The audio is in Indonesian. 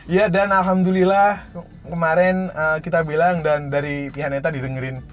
ya dan alhamdulillah kemarin kita bilang dan dari pihak neta didengerin